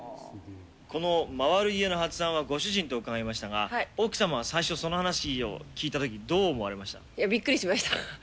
この回る家の発案はご主人と伺いましたが、奥様は最初その話を聞いや、びっくりしました。